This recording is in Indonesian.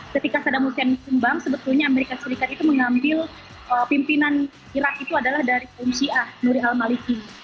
ketika saddam hussein dikembang sebetulnya amerika serikat itu mengambil pimpinan iraq itu adalah dari qumsyiah nuri al maliki